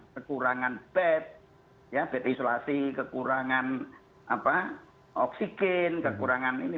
kekurangan bed bed isolasi kekurangan oksigen kekurangan ini